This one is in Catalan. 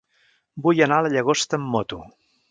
Vull anar a la Llagosta amb moto.